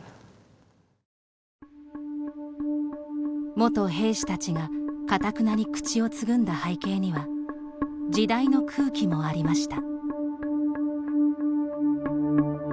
元兵士たちがかたくなに口をつぐんだ背景には時代の空気もありました。